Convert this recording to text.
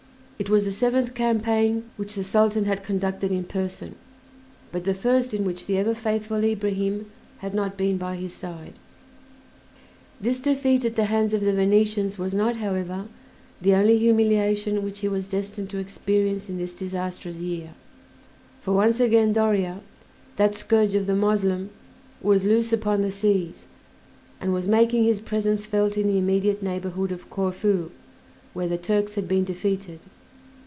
It was the seventh campaign which the Sultan had conducted in person, but the first in which the ever faithful Ibrahim had not been by his side. This defeat at the hands of the Venetians was not, however, the only humiliation which he was destined to experience in this disastrous year; for once again Doria, that scourge of the Moslem, was loose upon the seas, and was making his presence felt in the immediate neighborhood of Corfu, where the Turks had been defeated.